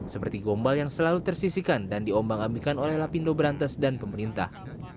seperti gombal yang selalu tersisikan dan diombang ambikan oleh lapindo berantas dan pemerintah